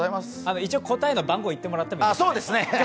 答えの番号、言ってもらっていいですか？